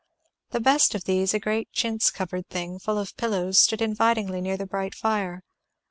The best of these, a great chintz covered thing, full of pillows, stood invitingly near the bright fire.